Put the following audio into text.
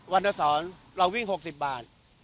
วันทศรเราวิ่งหกสิบบาท